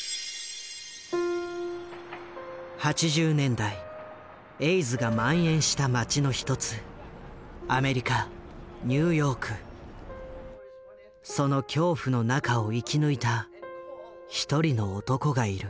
８０年代エイズがまん延した街の一つその恐怖の中を生き抜いた一人の男がいる。